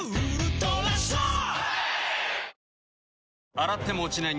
洗っても落ちない